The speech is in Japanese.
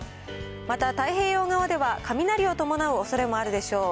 また太平洋側では雷を伴うおそれもあるでしょう。